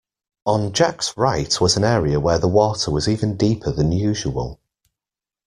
On Jack’s right was an area where the water was even deeper than usual